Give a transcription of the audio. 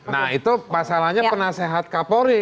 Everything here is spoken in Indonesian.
nah itu masalahnya penasehat kapolri